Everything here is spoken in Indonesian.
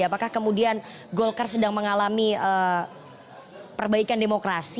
apakah kemudian golkar sedang mengalami perbaikan demokrasi